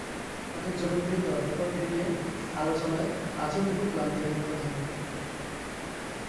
তাঁদের জনপ্রিয়তা ব্যাপারটি নিয়ে আলোচনায় আজও কোনো ক্লান্তি আসার কথা নয়।